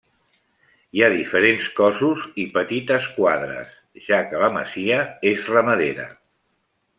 Hi ha diferents cossos i petites quadres, ja que la masia és ramadera.